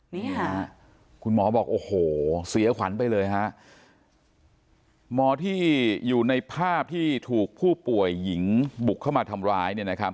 นี่ค่ะคุณหมอบอกโอ้โหเสียขวัญไปเลยฮะหมอที่อยู่ในภาพที่ถูกผู้ป่วยหญิงบุกเข้ามาทำร้ายเนี่ยนะครับ